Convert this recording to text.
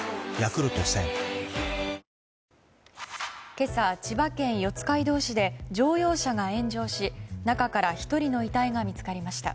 今朝、千葉県四街道市で乗用車が炎上し中から１人の遺体が見つかりました。